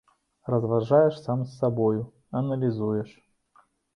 Разважаеш сам з сабою, аналізуеш.